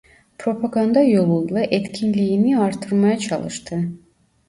Propaganda yoluyla etkinliğini artırmaya çalıştı.